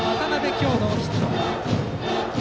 今日、ノーヒット。